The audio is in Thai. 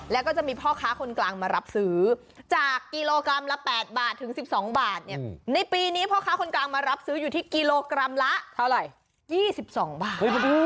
แล้วก็จะมีพ่อค้าคนกลางมารับซื้อจากกิโลกรัมละ๘บาทถึง๑๒บาทเนี่ยในปีนี้พ่อค้าคนกลางมารับซื้ออยู่ที่กิโลกรัมละเท่าไหร่๒๒บาท